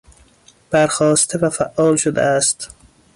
بر خواسته و فعال شده است.